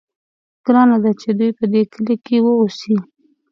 ګرانه ده چې دوی په دې کلي کې واوسي.